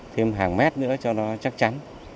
thêm hàng mét nữa cho nó chắc chắn